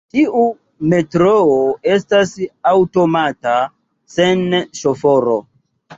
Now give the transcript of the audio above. Tiu metroo estas aŭtomata, sen ŝoforo.